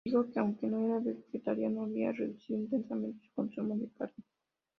Dijo que aunque no era un vegetariano, había "reducido intensamente" su consumo de carne.